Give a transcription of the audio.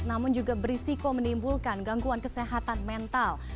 namun juga berisiko menimbulkan gangguan kesehatan mental